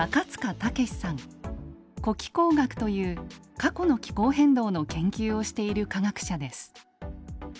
「古気候学」という過去の気候変動の研究をしている科学者です。